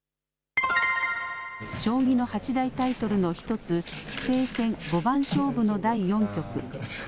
将棋の八大タイトルの１つ、棋聖戦五番勝負の第４局。